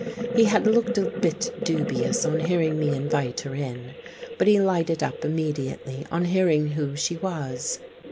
He had looked a bit dubious on hearing me invite her in, but he lighted up immediately on hearing who she was.